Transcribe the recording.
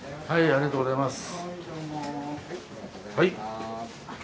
ありがとうございます。